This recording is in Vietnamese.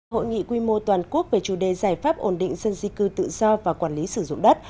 hội nghị quy mô toàn quốc về chủ đề giải pháp ổn định dân di cư tự do và quản lý sử dụng đất